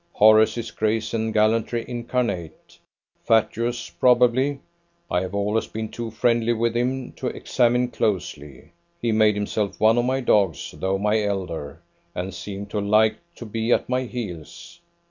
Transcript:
Horace is grace and gallantry incarnate; fatuous, probably: I have always been too friendly with him to examine closely. He made himself one of my dogs, though my elder, and seemed to like to be at my heels.